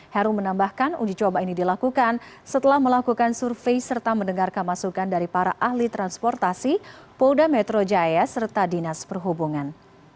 heru menambahkan uji coba ini dilakukan setelah melakukan survei serta mendengarkan masukan dari para ahli transportasi polda metro jaya serta dinas perhubungan